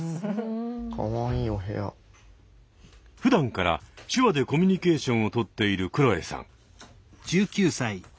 ふだんから手話でコミュニケーションを取っているくろえさん。